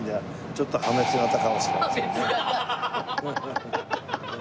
ちょっと破滅型かもしれませんね。